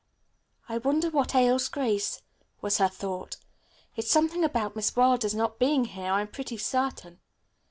"I wonder what ails Grace?" was her thought, "It's something about Miss Wilder's not being here, I'm pretty certain."